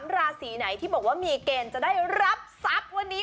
ราศีไหนที่บอกว่ามีเกณฑ์จะได้รับทรัพย์วันนี้